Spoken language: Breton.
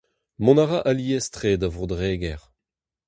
Mont a rae alies-tre da Vro-Dreger.